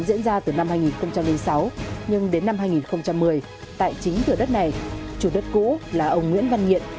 diễn ra từ năm hai nghìn sáu nhưng đến năm hai nghìn một mươi tại chính thửa đất này chủ đất cũ là ông nguyễn văn nhiệm